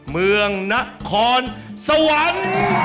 เมืองนครสวรรค์